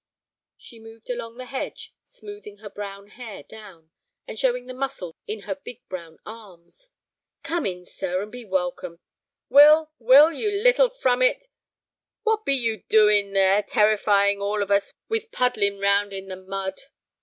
She moved along the hedge, smoothing her brown hair down, and showing the muscles in her big brown arms. "Come in, sir, and be welcome. Will, Will, you little frummet, what be you doing there, terrifying all of us with puddling round in the mud?"